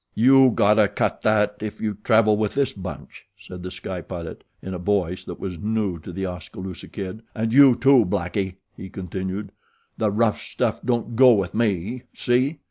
"You gotta cut that if you travel with this bunch," said The Sky Pilot in a voice that was new to The Oskaloosa Kid; "and you, too, Blackie," he continued. "The rough stuff don't go with me, see?"